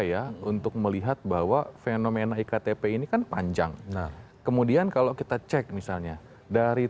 ya untuk melihat bahwa fenomena iktp ini kan panjang nah kemudian kalau kita cek misalnya dari